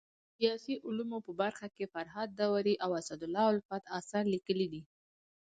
د سیاسي علومو په برخه کي فرهاد داوري او اسدالله الفت اثار ليکلي دي.